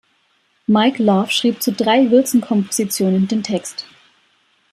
Mike Love schrieb zu drei Wilson-Kompositionen den Text.